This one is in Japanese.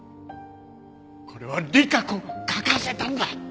これは莉華子が書かせたんだ。